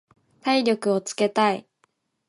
体力をつけたい。